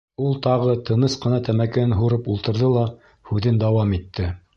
Ул тағы тыныс ҡына тәмәкеһен һурып ултырҙы ла һүҙен дауам итте: